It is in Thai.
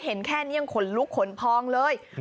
เห็นแค่นี้ยังขนลุกขนพองเลย